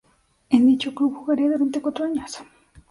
En dicho club jugaría durante cuatro años.